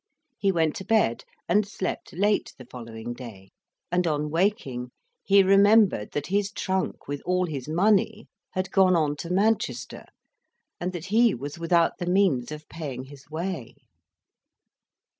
He went to bed, and slept late the following day; and on waking he remembered that his trunk with all his money had gone on to Manchester, and that he was without the means of paying his way.